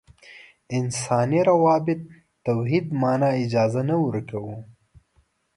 انساني روابطو توحید معنا اجازه نه ورکوو.